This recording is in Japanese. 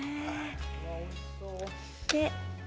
おいしそう。